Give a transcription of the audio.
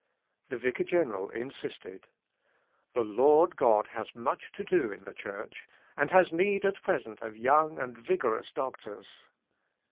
The vicar general insisted, "The Lord God has much to do in the Church, and has need at present of young and vigorous doctors."